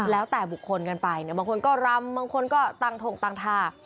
แล้วแต่บุคคลกันไปเนี่ยบางคนก็รำบางคนก็ต่างถงต่างทา